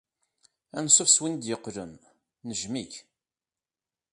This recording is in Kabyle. Anṣuf s win d-yeqqlen. Nejjem-ik.